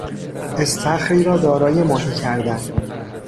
استخری را دارای ماهی کردن